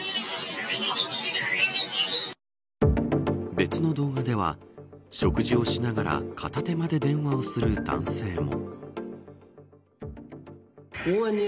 別の動画では食事をしながら片手間で電話をする男性も。